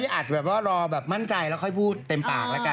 แต่ก็อาจจะรอแบบว่ามั่นใจแล้วค่อยพูดเต็มปากแล้วกัน